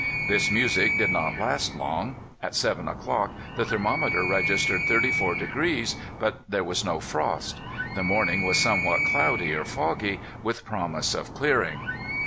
This music did not last long. At seven o'clock the thermometer registered thirty four degrees, but there was no frost. The morning was somewhat cloudy or foggy, with promise of clearing.